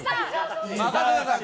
任せてください。